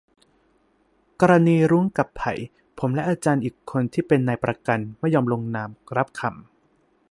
กรณีรุ้ง กับไผ่ ผมและอาจารย์อีกคนที่เป็นนายประกันไม่ยอมลงนามรับคำ